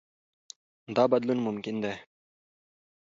دا بدلون ممکن دی.